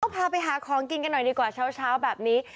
พาไปหาของกินกันหน่อยดีกว่าเช้าแบบนี้